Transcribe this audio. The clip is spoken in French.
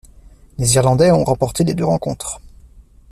Les Irlandais ont remporté les deux rencontres.